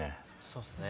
そうっすね。